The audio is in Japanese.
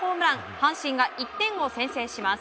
阪神が１点を先制します。